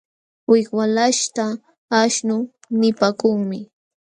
Wik walaśhta aśhnu nipaakunmi.